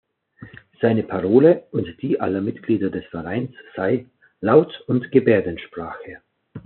Seine Parole und die aller Mitglieder des Vereins sei: Laut- und Gebärdensprache!